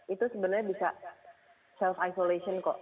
itu sebenarnya bisa self isolation kok